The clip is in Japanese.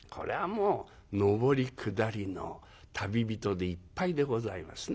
もう上り下りの旅人でいっぱいでございますな。